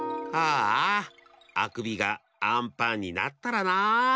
ああくびがあんパンになったらなあ。